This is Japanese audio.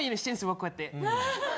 僕こうやって。